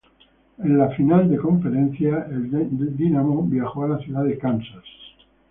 En la final de conferencia, el Dynamo viajó a la ciudad de Kansas.